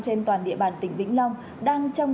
trên toàn địa bàn tỉnh vĩnh long đang trong